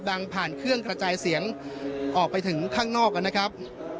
ดังผ่านเครื่องกระจายเสียงออกไปถึงข้างนอกนะครับ